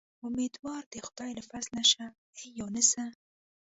امیدوار د خدای له فضله شه اې یونسه.